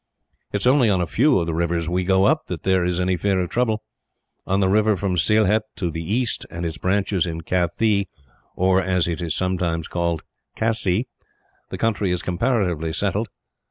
"It is only on a few of the rivers we go up that there is any fear of trouble. On the river from Sylhet to the east and its branches in Kathee or, as it is sometimes called, Kasi, the country is comparatively settled.